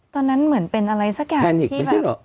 ตอนนั้นเหมือนเป็นอะไรสักอย่างที่แบบ